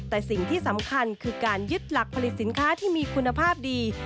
แต่สิ่งที่สำคัญคือการยึดหลักผลิตสินค้าที่มีคุณภาพดี